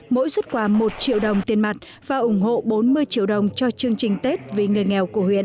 mỗi xuất quà một triệu đồng tiền mặt và ủng hộ bốn mươi triệu đồng cho chương trình tết vì người nghèo của huyện